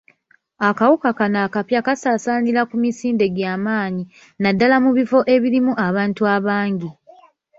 Akawuka kano akapya kasaasaanira ku misinde gya maanyi, naddala mu bifo ebirimu abantu abangi.